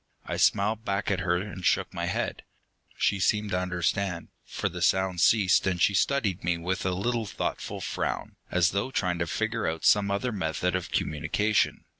I smiled back at her and shook my head. She seemed to understand, for the sound ceased, and she studied me with a little thoughtful frown, as though trying to figure out some other method of communication.